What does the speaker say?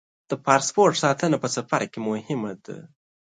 د پاسپورټ ساتنه په سفر کې مهمه ده.